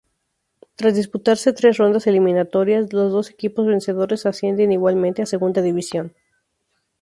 Tras disputarse tres rondas eliminatorias los dos equipos vencedores ascienden igualmente a Segunda División.